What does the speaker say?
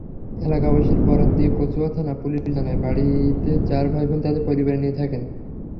এলাকাবাসীর বরাত দিয়ে কচুয়া থানা-পুলিশ জানায়, বাড়িতে চার ভাইবোন তাঁদের পরিবার নিয়ে থাকেন।